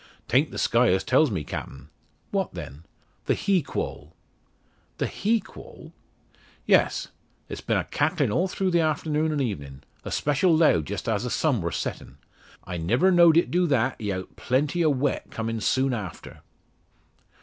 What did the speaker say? "'Tan't the sky as tells me, Captain." "What then?" "The heequall." "The heequall?" "Yes. It's been a cacklin' all through the afternoon and evenin' especial loud just as the sun wor settin'. I niver know'd it do that 'ithout plenty o' wet comin' soon after."